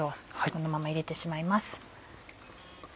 このまま入れてしまいます。